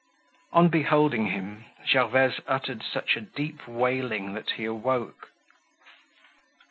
On beholding him Gervaise uttered such a deep wailing that he awoke.